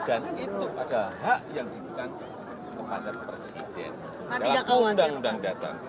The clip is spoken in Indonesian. dan itu adalah hak yang diberikan kepada presiden dalam undang undang dasar